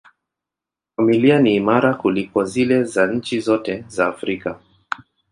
Familia ni imara kuliko zile za nchi zote za Afrika.